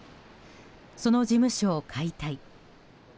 その事務所を解体。